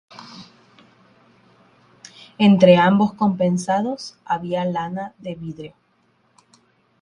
Entre ambos compensados había lana de vidrio.